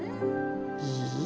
いい？